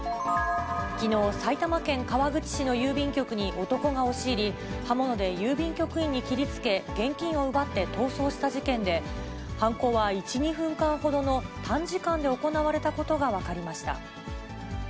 きのう、埼玉県川口市の郵便局に男が押し入り、刃物で郵便局員に切りつけ、現金を奪って逃走した事件で、犯行は１、２分間ほどの短時間で行われたことが分かりました。